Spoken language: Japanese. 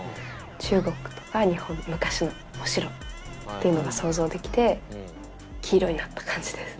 中国とか日本の昔のお城っていうのが想像できて黄色になった感じです。